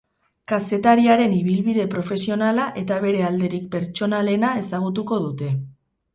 Kazetariaren ibilbide profesionala eta bere alderik pertsonalena ezagutuko dute.